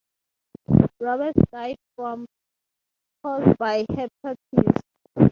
Roberts died from cirrhosis caused by hepatitis.